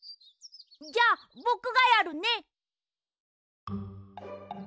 じゃあぼくがやるね！